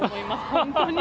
本当に。